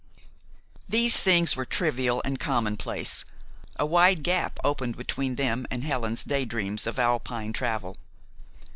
These things were trivial and commonplace; a wide gap opened between them and Helen's day dreams of Alpine travel.